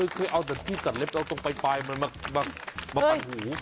เคยเอาแต่ที่ตัดเล็กตรงไปมันมาปัดหู